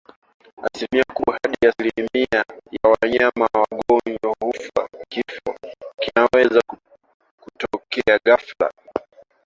Asilimia kubwa hadi asilimia ya wanyama wagonjwa hufa Kifo kinaweza kutokea ghafla